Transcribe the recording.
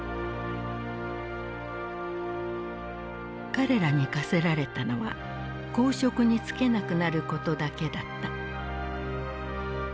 彼らに科せられたのは公職に就けなくなることだけだった。